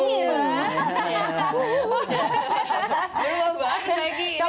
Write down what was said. berubah banget lagi